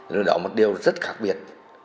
đó là một điều rất khác biệt